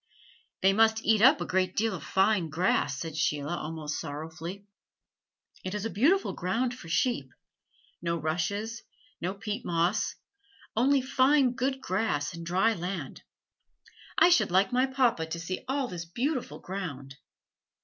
"They must eat up a great deal of fine grass," said Sheila almost sorrowfully. "It is a beautiful ground for sheep no rushes, no peat moss, only fine good grass and dry land. I should like my papa to see all this beautiful ground."